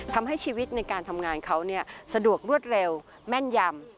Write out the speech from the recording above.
ทำให้ชีวิตในการทำงานเขาสะดวกรวดเร็วแม่นยำ